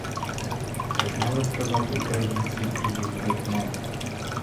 Що ж мали б казати українці і їх гетьман?